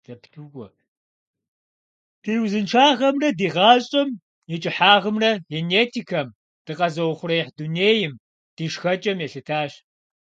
Ди узыншагъэмрэ ди гъащӀэм и кӀыхьагъымрэ генетикэм, дыкъэзыухъуреихь дунейм, ди шхэкӀэм елъытащ.